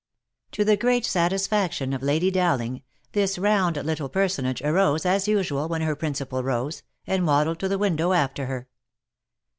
To the great satisfaction of Lady Dowling, this round little per sonage arose, as usual, when her principal rose, and waddled to the window after her.